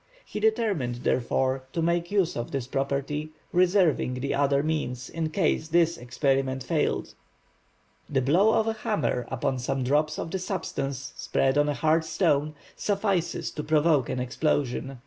He determined, therefore, to make use of this property, reserving the other means in case this experiment failed. The blow of a hammer upon some drops of the substance spread on a hard stone, suffices to provoke an explosion.